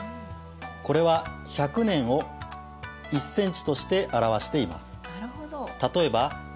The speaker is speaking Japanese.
これは１００年を１センチとして表しています。